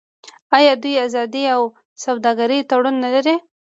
آیا دوی د ازادې سوداګرۍ تړون نلري؟